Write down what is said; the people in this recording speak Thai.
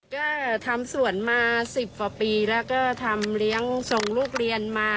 ก็ทำสวนมา๑๐กว่าปีแล้วก็ทำเลี้ยงส่งลูกเรียนมา